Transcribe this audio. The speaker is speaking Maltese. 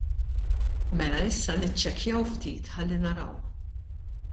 Mela issa niċċekkjaw ftit ħalli naraw.